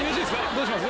どうします？